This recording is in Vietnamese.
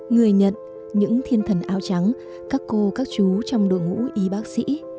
người nhận những thiên thần áo trắng các cô các chú trong đội ngũ y bác sĩ